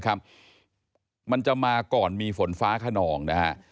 มันจะมาก่อนมีฝนฟ้าขนองนะฮะ